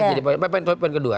jadi poin kedua